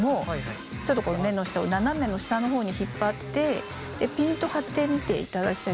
ちょっとこの目の下を斜めの下のほうに引っ張ってピンと張ってみていただきたいんですね。